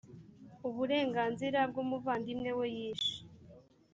uburenganzira bw umuvandimwe we yishe